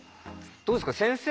どうですか先生